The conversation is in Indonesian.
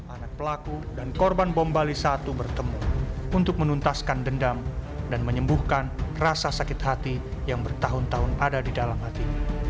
anak pelaku dan korban bom bali satu bertemu untuk menuntaskan dendam dan menyembuhkan rasa sakit hati yang bertahun tahun ada di dalam hati